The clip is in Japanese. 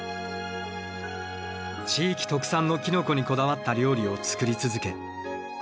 地域特産のキノコにこだわった料理を作り続け